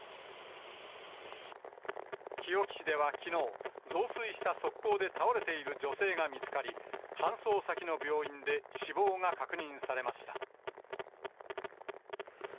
日置市ではきのう、増水した側溝で倒れている女性が見つかり、搬送先の病院で死亡が確認されました。